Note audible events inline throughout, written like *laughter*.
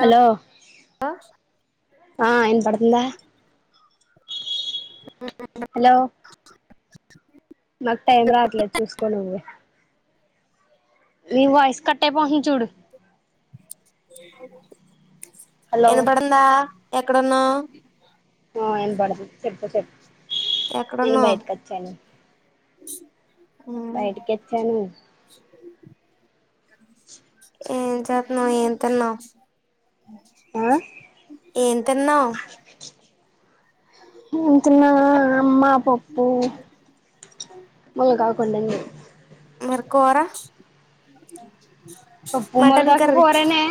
Hello ఆ వినపడుతుందా ఉ ఉ హలో నాక్ టైం రాట్లేద్ చూస్కో నువ్వే నీ వాయిస్ కట్టైపోతుంది చూడు హలో ఇనపడిందా ఎక్కడున్నావ్ ఆ ఇనపడుతుంది చెప్పు చెప్ ఎక్కడున్నావ్. ఉ బయటికి వచ్చాను ఏం చేతున్నవ్ ఏం తిన్నావ్. ఆ ఏం తిన్నావ్ ఏం తిన్నాన అమ్మా పప్పు ములగాకు ఉండండి మరి కూర. పప్పు మటన్ ములగాకు కర్రీ కూరేనే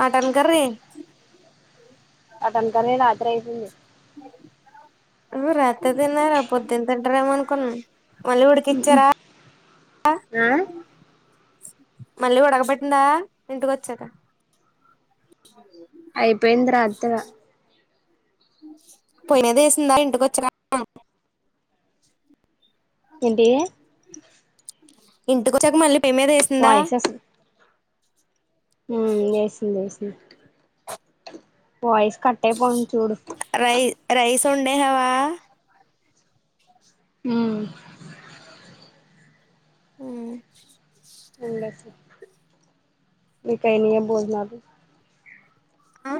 మటన్ కర్రీ మటన్ కర్రీనా రాత్రైసింది రాతిర్దిన్నారా పొద్దున్ తింటరేమో అనుకున్నాం మళ్ళీ ఉడికిచ్చారా ఆ మళ్ళీ ఉడగబెటిన్ద ఇంటికొచ్చాక అయిపోయింది రా *unintelligible* పొయినదేసిందా ఇంటికొ *unintelligible* ఏంటి ఇంటికొచ్చాక మళ్ళీ మీ మీదేస్ వాయిస్ ఉమ్మ్ ఏసింది ఏసింది వాయిస్ కట్టైపోతుంది చూడు రై రైస్ ఉండే హవా ఉ ఆ *unintelligible* భోజ్నాలు ఆ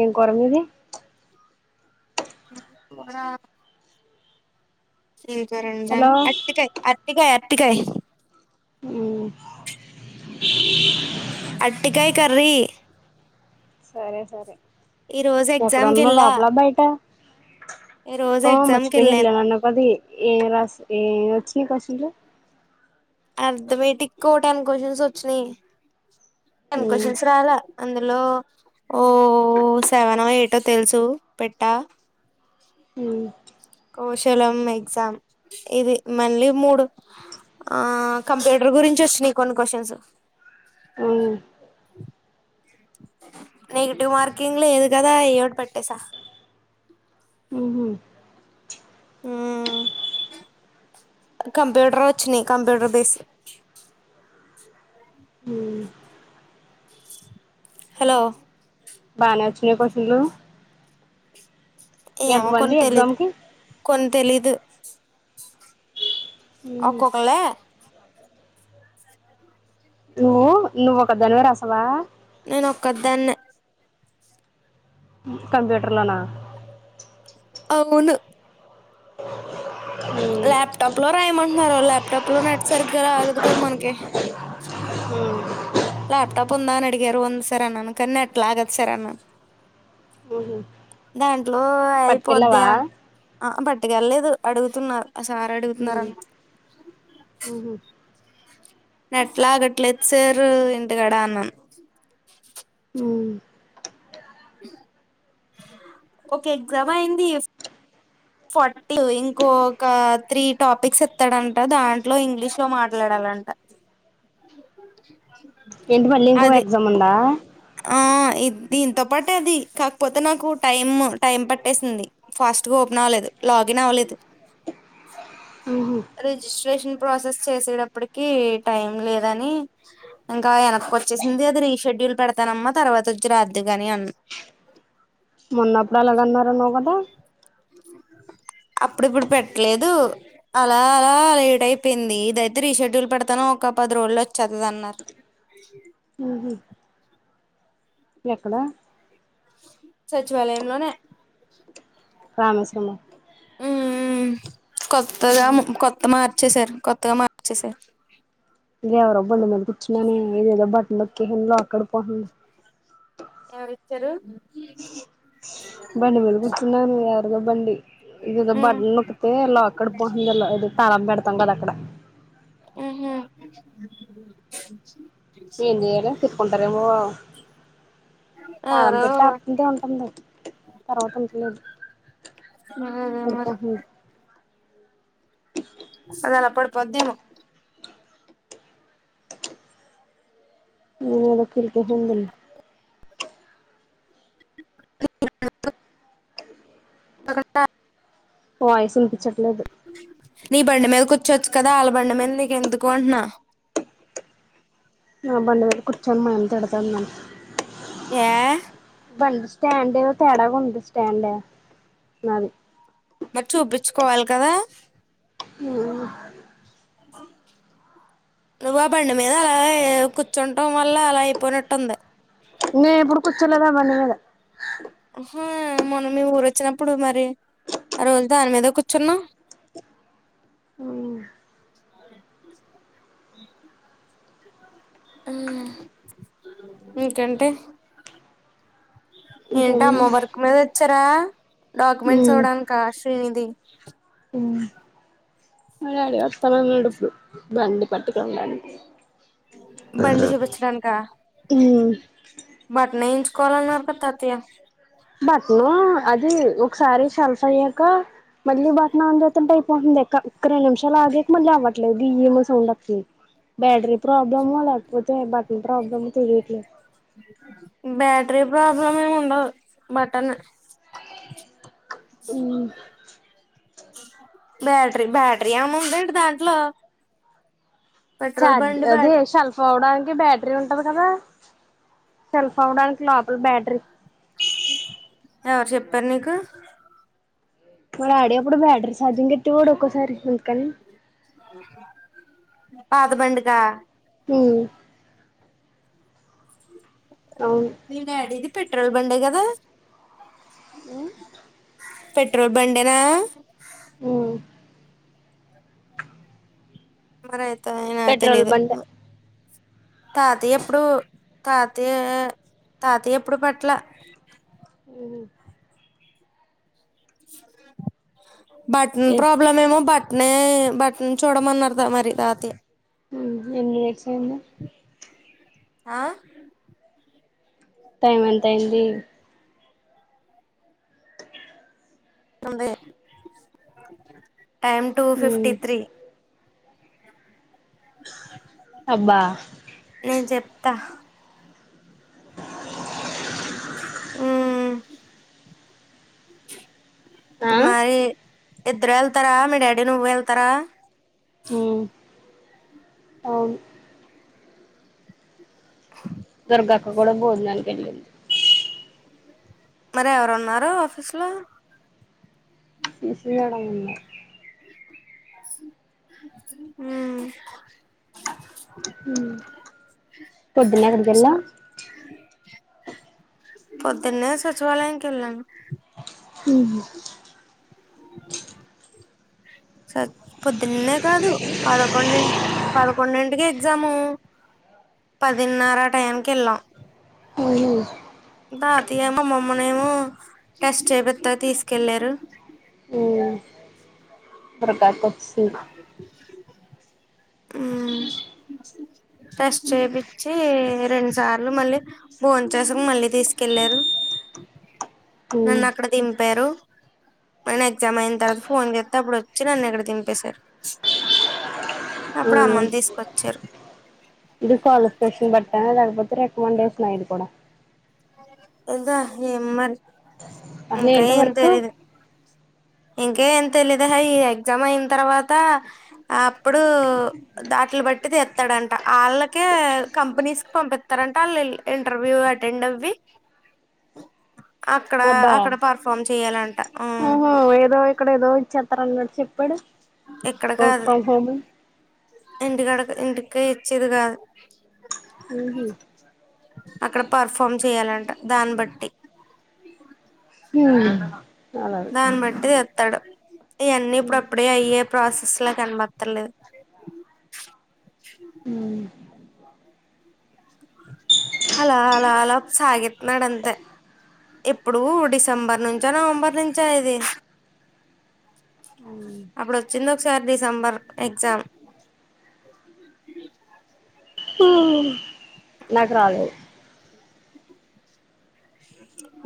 ఏం కూర మీది *unintelligible* హలో అత్తికేయ్ య అట్టికయ్ అట్టికాయ్ ఊమ్ అట్టికాయ్ కర్రీ సరే సరే ఈ రోజు ఎగ్జామ్ ఎక్కడున్నావ్ కెళ్ళా లోపల బైట ఈ రోజు ఆ ఎగ్జామ్ మర్చిపెన కెళ్ళాను ఇళ్ళనన్న పది ఏ రాస్ ఏ వచ్చి కశిల అర్ధమేటిక్ టెన్ క్వశన్స్ ఒచ్చినయ్ టెన్ మ్మ్ కొశన్స్ రాలా అందులో ఓ సెవెనో ఎయిటో తెలుసు పెట్ట ఉ కౌశలం ఎగ్జామ్ ఇది మళ్ళీ మూడు ఆ కంప్యూటర్ గురించి వొచ్చినాయి కొన్ని క్వశ్చన్స్ ఉ నెగిటివ్ మార్కింగ్ లేదు కదా ఎదో ఒకటి పెట్టేసా ఉహు కంప్యూటర్ వొచ్చినాయ్ కంప్యూటర్ బేస్ మ్మ్ హలో బానే వొచ్చినయ క్వశ్చన్లు ఎంతమంది ఎగ్జామ్ కి కొన్ తెలీదు మ్హూ ఒక్కొకలే నువ్వు నువ్వు ఒక దానివె రాసవ నేను ఒక్క దాన్నే కంప్యూటర్ లోన అవును మ్మ్ ల్యాప్టాప్ లో రాయమంటున్నరు ల్యాప్టాప్ లో నెట్ సరిగ్గా రాద్ కదా మనకి హు ల్యాప్టాప్ ఉంద అని అడిగారు ఉంది సార్ అన్నాను కానీ నెట్ లాగదు సార్ అన్న ఉహు దాంట్లో అయిపోద్ద ఆ పట్టుక వెళ్లేదు అడుగుతున్న ఆ సార్ అడుగుతున్నారు అన్ ఊహు నెట్ లాగట్లేదు సారు ఇంటికాడ అన్నాను హ్మ్ ఒక ఎగ్జామ్ అయింది ఫార్టీ ఇంకో ఒక త్రీ టాపిక్స్ ఇత్తడంట దాంట్లో ఇంగ్లీష్ లో మాట్లాడాలంట ఏంటి మళ్ళీ ఇంకొక అది ఎగ్జామ్ ఉందా ఆ ఇ దీంతో పాటే అది కాకపోతే నాకు టైమ్ టైం పట్టేసింది ఫాస్ట్ గా ఓపెన్ అవ్వలేదు లాగిన్ అవ్వలేదు ఊహూ రిజిస్ట్రేషన్ ప్రాసెస్ చేసేటప్పటికి టైం లేదని ఇంకా ఎనక్కి వొచ్చేసింది అది రీషెడ్యూల్ పెడతానమ్మా తర్వాత వొచ్చి రాద్దుగాని అన్న మొన్న అప్పుడు అలాగే అన్నారన్నావు కదా అప్పుడు ఇప్పుడు పెట్లేదు అలా అలా లేట్ అయిపోయింది ఇదయితే రీషెడ్యూల్ పెడతాను ఒక పది రోజులు వొచ్చేతది అన్నారు ఊహూ ఎక్కడ సచివాలయం లోనే రామేస్రమ్మ హ్మ్ మ్మ్ కొత్తగా ము కొత్త మార్చసారు కొత్తగా మార్చేసారు ఇ ఎవరో బండి మీద కూర్చున్నానే ఇదేదో బటన్ నొక్కేశాను లాక్కడి పోతుంది ఎవరు ఇచ్చారు బండి మీద కూర్చున్నావు నువ్వు ఎవరిదో బండి ఇదేదో ఉమ్ బటన్ నొక్ అయితే లాక్కడి పోతుంది అల్ల అది తాళం పెడతాం కదా అక్కడ ఊహూ ఏం చేయాల తిట్టుకుంటారేమో తాళం ఎవరో పెట్టా అంతే ఉంటుంది తర్వాత ఉంట్లేదు ఆ అదేమరి అదలా పడిపోద్దేమో వినోద్ వచ్చి హెల్ప్ చేసిండు *inaudible* బాగుందా వాయిస్ ఇన్పించట్లేదు నీ బండి మీద కూచ్చోచ్చు కదా ఆళ్ళ బండి మీద నీకెందుకు అంట్నా మా బండి మీద కూచ్చోను నేను మా ఆయన తిడ్తాడు నన్ను యే బండి స్టాండ్ ఏదో తేడాగుంది స్టాండే మాది మరి చూపించ్కోవాలి కదా హు నువ్ ఆ బండి మీద అలా ఏ కూర్చుంటం వల్ల అలా అయిపోయినట్టుంది నేనెప్పుడూ కూచ్చోలేదు ఆ బండి మీద హా మొన్న మీ ఊరొచ్చినప్పుడు మరి ఆ రోజు దాని మీద కూర్చున్నావ్ ఆ ఇంకెంటి ఏంటా ఇంకేముంది మోవర్ మీదొచ్చారా డాక్యుమెంట్స్ ఇవ్వడానికా శ్రీనిధి ఉ మా డాడీ ఒస్తనన్నడు ఇప్పుడు బండి పట్టుకొని బండి చూపించడానికా ఉమ్ బట్నేయించ్కోవాలన్నారు కదా తాతయ్య బట్నూ అది ఒకసారి సెల్ఫ్ అయ్యాక మళ్ళీ బటన్ ఆన్ చేతుంటే అయిపోతుంది ఇంకా ఒక రెండు నిమిషాలాగాక మళ్ళీ అవట్లేదు గియ్ మని సౌండ్ అత్తుంది బ్యాటరీలు ప్రాబ్లమ్ లేపో తె బటన్ ప్రాబ్లమో తెలీట్లేదు బ్యాటరీ ప్రాబ్లం ఏముండదు బటనే బ్యాట్రీ బ్యాట్రీ ఏముందేటి దాంట్లో పెట్రోల్ చార్జ్ బండి అదే బ్యాట షెల్ కోవడాన్కి బ్యాట్రీ ఉంటది కదా సెల్ఫ్ అవ్వడానికి లోపల బ్యాట్రీ ఎవరు చెప్పారు నీకు మా డాడి అప్పుడు బ్యాట్రీ సార్జింగెట్టేవాడు ఒక్కోసారి అందుకని పాత బండికా హు అవును మీ డాడీదీ పెట్రోల్ బండే కదా ఆ పెట్రోల్ బండేనా హ్మ్ మరైతే ఏమో నాకు పెట్రోల్ తెలిదు బంక్ తాతయ్యప్పుడు తాతయ్య తాతయ్యెప్పుడు పెట్ల ఉహు బట్న్ ప్రాబ్ బ్లెమేమో బట్నే బట్న్ చూడమన్నారు మరి తాతయ్య *unintelligible* ఆ టైం ఎంతైంది తొంబై టైమ్ టూ హ్మ్ ఫిఫ్టీ త్రీ అబ్బా నేను చెప్తా ఉమ్ ఆ మరి ఇద్దరు వెళ్తరా మీ డాడీ నువ్వు వెళ్తరా ఉమ్ దుర్గక్క కూడా భోజనానికి ఎల్లింది మరి ఎవరున్నారు ఆఫీస్ లో *unintelligible* ఉమ్ పొద్దున ఎక్కడికి ఎల్లవ్ పొద్దున్నే సచివాలయంకేళ్ళను ఉహు స పొద్దున్నే కాదు పదకొండు ఇ పదకొండింటికి ఎగ్జామూ పదిన్నర ఆ టైంకి కేళ్ళాం ఉహు దాతి ఏమో మామ్మనేమో టెస్ట్ చేపిత్త తీస్కెళ్ళారు ఉ పర గకచ్ ఉమ్ ఫస్ట్ ఏపిచ్చీ రెండు సార్లు మళ్ళీ భోన్ చేసి మళ్ళీ తీస్కెళ్ళారు హ్మ్ నన్ను అక్కడ దింపారూ నేను ఎగ్జామ్ అయిన్ తర్వాత ఫోన్ జేస్తే అప్పుడు ఒచ్చి నన్నుక్కడ దింపేశారు అప్పుడు హ్మ్ అమ్మను తీస్కొచ్చారు ఇది క్వాలిఫికేషన్ బట్ట లేక్పోతే రిక్మండేషనా ఇది కూడా ఎదా ఏమో మరి అసలు ఇంకా ఏంటి ఎం వర్క్ తెలిదు ఇంక ఏం తెలిదు ఎహే ఈ ఎగ్జామ్ అయిన్ తర్వాత అప్పుడూ దాట్లు బట్టి తీత్తడంట ఆళ్ళకే కంపెనీస్కి పంపిత్తరంట ఆళ్ళు ఇంటర్వ్యూ అటెండ్ అవ్ పి అక్కడా అబ్బా అక్కడ పర్ఫాం చేయాలంట ఉ అక్కడ ఏదో చెత్తరంగాడు చెప్పాడూ ఇక్కడ కాదు ఇంటికాడ ఇంటికి ఇచ్చేది కాదు ఉహు అక్కడ పర్ఫాం చేయాలంట దాన్ బట్టి హు అలాగే దాన్ని బట్టి ఎత్తడూ ఇయాన్నీ ఇప్పుడు అప్పుడే అయ్యే ప్రాసెస్ కనబత్తలేదు ఉ హలా అలా అలా సాగిత్నడంతే ఇప్పుడూ డిసెంబర్ నుంచా నవంబర్ నుంచా ఇదీ అప్పుడు ఒచ్చింది ఒక్సారి డిసెంబర్ ఎగ్జామ్ ఉ నాక్ రాలేదు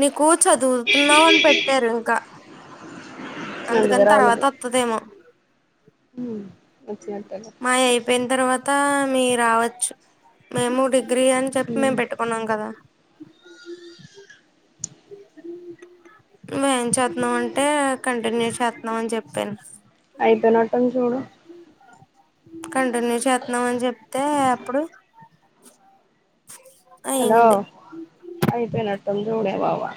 నీకు చదువు తున్నావు అని పెట్టారు ఇంక అందుకే అందుకని తర్వాత ఒత్తదేమో హు వచ్చినట్టలే పోయిన్ తర్వాతా మీ రావచ్చు మేము డిగ్రీ అని చెప్పి మేము పెట్టుకున్నాం కదా మే చేత్నామ్ అంటే కంటిన్యూ చేత్నామ్ అని చెప్పేను అయిపోయినట్టు ఉంది చూడు కంటిన్యూ చేత్నామ్ అని చెప్తే అప్పుడు హలో అయింది అయిపోనట్టు ఉందే జూడే వావా